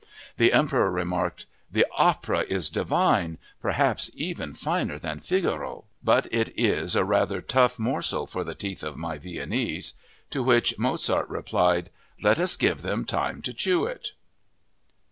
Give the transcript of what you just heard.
The Emperor remarked: "The opera is divine, perhaps even finer than 'Figaro.' But it is a rather tough morsel for the teeth of my Viennese"—to which Mozart replied, "Let us give them time to chew it!"